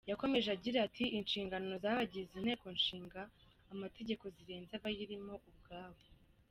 Yakomeje agira ati “Inshingano z’abagize Inteko Ishinga amategeko zirenze abayirimo ubwabo.